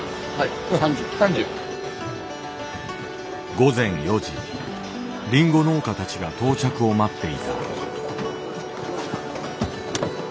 午前４時リンゴ農家たちが到着を待っていた。